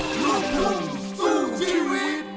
สมมุติวิทย์